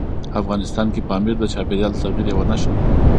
افغانستان کې پامیر د چاپېریال د تغیر یوه نښه ده.